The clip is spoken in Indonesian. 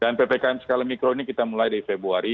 dan ppkm skala mikro ini kita mulai di februari